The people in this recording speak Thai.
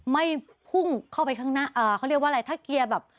ไม่พุ่งเข้าไปข้างหน้าเขาเรียกว่าอะไรถ้าเกียร์แบบ